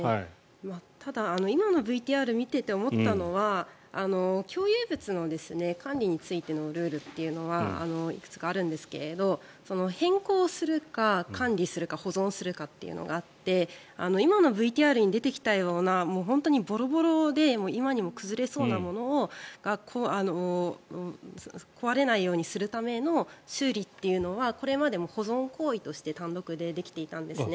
ただ、今のＶＴＲを見ていて思ったのは共有物の管理についてのルールというのはいくつかあるんですけれど変更するか管理するか保存するかっていうのがあって今のＶＴＲに出てきたような本当にボロボロで今にも崩れそうなものを壊れないようにするための修理っていうのはこれまでも保存行為として単独でできていたんですね。